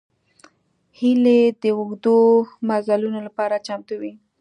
هیلۍ د اوږدو مزلونو لپاره چمتو وي